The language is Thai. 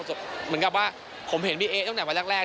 เหมือนกับว่าผมเห็นพี่เอ๊ตั้งแต่วันแรก